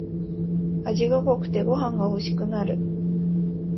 味が濃くてご飯がほしくなる